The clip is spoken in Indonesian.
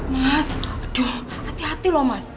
mas aduh hati hati loh mas